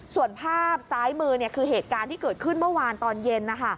ส่วนภาพซ้ายมือคือเหตุการณ์ที่เกิดขึ้นเมื่อวานตอนเย็น